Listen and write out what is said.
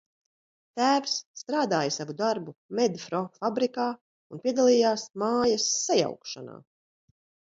"Tēvs strādāja savu darbu "Medfro" fabrikā un piedalījās mājas sajaukšanā."